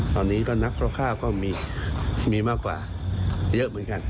ตอนนี้ก็นักคร่าวก็มีมากกว่าเยอะเหมือนกัน